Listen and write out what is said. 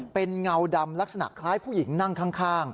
เป็นเงาดำลักษณะคล้ายผู้หญิงนั่งข้าง